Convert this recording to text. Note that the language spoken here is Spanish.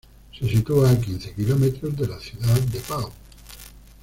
Se sitúa a quince kilómetros de la ciudad de Pau.